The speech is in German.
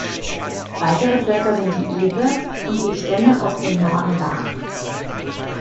Weitere Völker sind die Ewe und die Stämme aus dem Norden Ghanas.